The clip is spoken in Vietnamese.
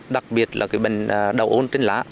đặc biệt là bệnh đậu ôn trên lá